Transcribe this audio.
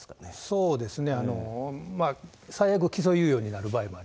そうですか。